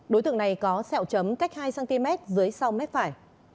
đối tượng này có sẹo chấm cách hai cm dưới sau mép phải